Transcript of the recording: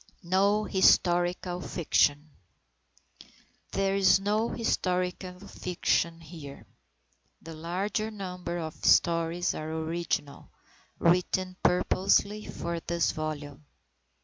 NO HISTORICAL FICTION There is no historical fiction here. The larger number of the stories are original, written purposely for this volume.